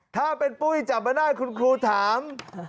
ถ้าเป็นปุ้ยจับมาได้คุณครูถาม